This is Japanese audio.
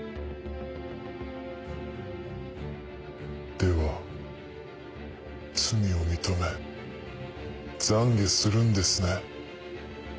では罪を認め懺悔するんですね？